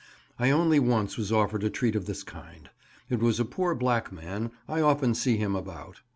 I only once was offered a treat of this kind. It was a poor black man (I often see him about).